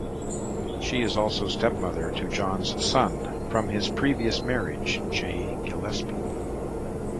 She is also step-mother to John's son from his previous marriage, Jay Gillespie.